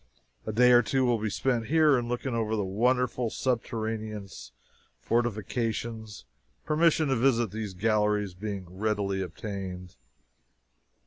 A day or two will be spent here in looking over the wonderful subterraneous fortifications, permission to visit these galleries being readily obtained.